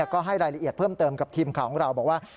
ก็ให้รายละเอียดเพิ่มเติมกับทีมข่าวของเราบอกว่า